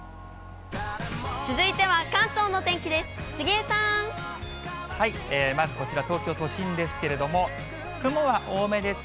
続いては関東のお天気です。